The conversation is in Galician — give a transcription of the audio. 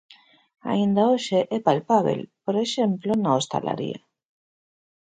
Aínda hoxe é palpábel, por exemplo, na hostalaría.